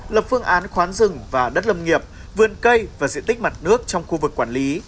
lập phương án khoán rừng và đất lâm nghiệp vườn cây và diện tích mặt nước trong khu vực quản lý